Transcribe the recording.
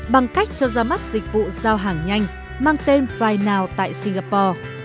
bằng cách cho ra mắt dịch vụ giao hàng nhanh mang tên brinow tại singapore